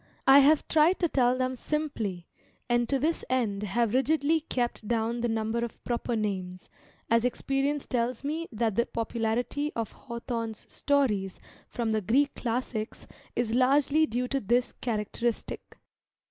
I have tried to tell them simply, and to this end have rigidly kept down the number of proper names, as experience tells me that the popularity of Hawthorne's stories from the Greek Classics is largely due to this characteristic.